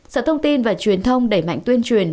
sở thông tin và truyền thông đẩy mạnh tuyên truyền